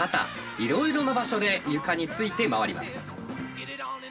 いろいろな場所で床について回ります。